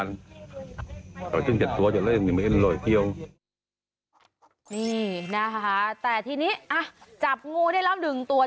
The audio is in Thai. นี่นะคะแต่ทีนี้อ่ะจับงูได้แล้วหนึ่งตัว